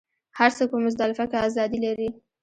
هر څوک په مزدلفه کې ازادي لري.